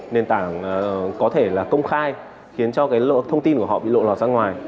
nền tảng có thể là công khai khiến cho thông tin của họ bị lộ lọt ra ngoài